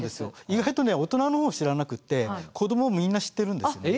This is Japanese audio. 意外とね大人の方が知らなくて子どもみんな知ってるんですね。